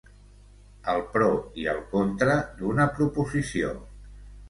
El pro i el contra d'una proposició.